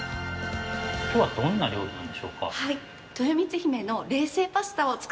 今日はどんな料理なんでしょうか？